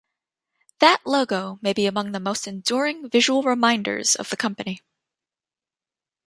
That logo may be among the most enduring visual reminders of the company.